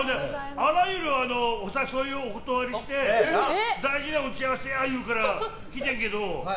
あらゆるお誘いをお断りして大事な打ち合わせや言うから来てんけど。